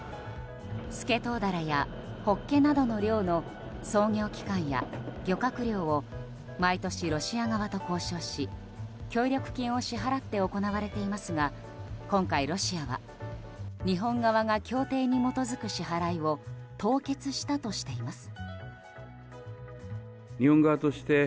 スケトウダラやホッケなどの漁の操業期間や漁獲量を毎年、ロシア側と交渉し協力金を支払って行われていますが今回、ロシアは日本側が協定に基づく支払いを凍結したとしています。